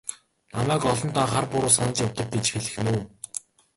Намайг олондоо хар буруу санаж явдаг гэж хэлэх нь үү?